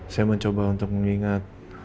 saya mencoba untuk mengingat